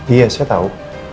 iya saya tau